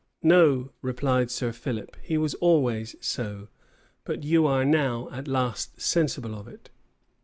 "No," replied Sir Philip, "he was always so: but you are now at last sensible of it."